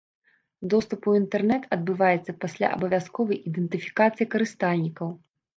Доступ у інтэрнэт адбываецца пасля абавязковай ідэнтыфікацыі карыстальнікаў.